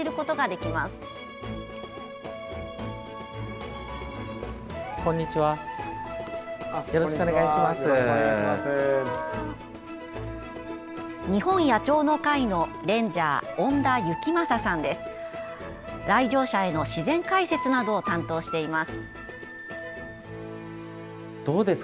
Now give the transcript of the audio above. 来場者への自然解説などを担当しています。